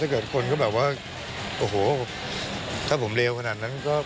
เกิดคนก็แบบว่าโอ้โหถ้าผมเลวขนาดนั้นก็